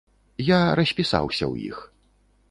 Я распісаўся ў іх.